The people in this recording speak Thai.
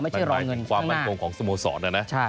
มันหมายถึงความมั่นคงของสโมสรนะนะ